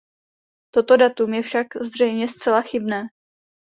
Toto datum je však zřejmě zcela chybné.